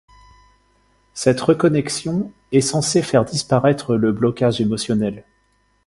Cette reconnexion est censé faire disparaître le blocage émotionnel.